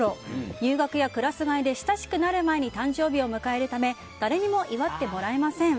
入学やクラス替えで親しくなる前に誕生日を迎えるため誰にも祝ってもらえません。